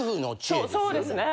そうですね。